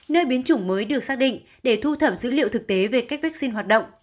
nơi biến chủng mới được xác định để thu thập dữ liệu thực tế về cách vaccine hoạt động